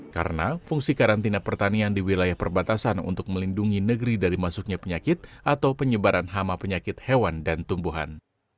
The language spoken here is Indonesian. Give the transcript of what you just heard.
karena fungsi karantina pertanian di wilayah perbatasan untuk melindungi negeri dari masuknya penyakit atau penyebaran hama penyakit hewan dan tumbuhan